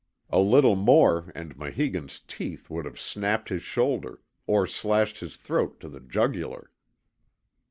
A little more and Maheegun's teeth would have snapped his shoulder, or slashed his throat to the jugular.